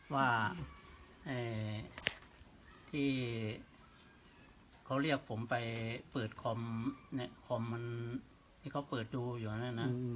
ว่าที่เขาเรียกผมไปเปิดคอมมันที่เขาเปิดดูอยู่นั่นนะ